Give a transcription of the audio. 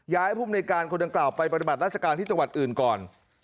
ภูมิในการคนดังกล่าวไปปฏิบัติราชการที่จังหวัดอื่นก่อน